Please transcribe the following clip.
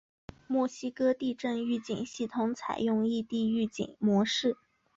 墨西哥地震预警系统采用异地预警模式。